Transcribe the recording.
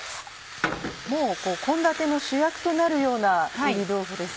もう献立の主役となるような炒り豆腐ですね。